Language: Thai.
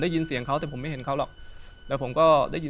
อ่อยมากเลย